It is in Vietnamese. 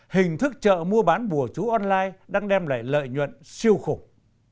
hình thức chợ mua bán bùa chú online đang đem lại lợi nhuận siêu khủng